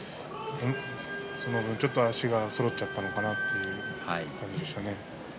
その分ちょっと足がそろってしまったのかなとそういう感じです。